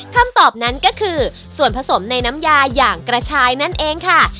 คำตอบนั้นก็คือส่วนผสมในน้ำยาอย่างกระชายนั่นเองค่ะ